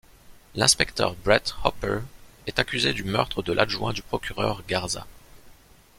L'inspecteur Brett Hopper est accusé du meurtre de l'adjoint du procureur Garza.